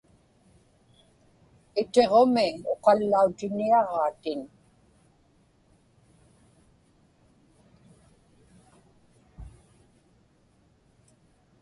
Itiġumi uqallautiniaġaatin.